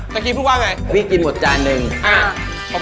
เมนูกินหมดจานนึง